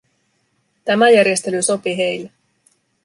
Tämä järjestely sopi heille.